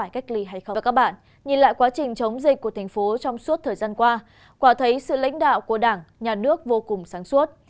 các bạn nhìn lại quá trình chống dịch của thành phố trong suốt thời gian qua quả thấy sự lãnh đạo của đảng nhà nước vô cùng sáng suốt